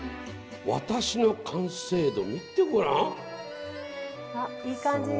私の完成度見てごらん。